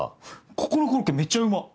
ここのコロッケめちゃうま。